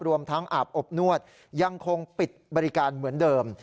รวมทั้งอาบอบนวดยังคงปิดบริการเหมือนเดิม